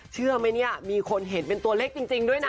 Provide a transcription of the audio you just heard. เชื่อไหมเนี่ยมีคนเห็นเป็นตัวเล็กจริงด้วยนะ